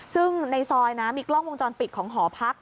ซึ่งในซอยนะมีกล้องวงจรปิดของหอพัก